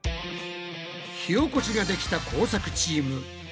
火おこしができた工作チーム。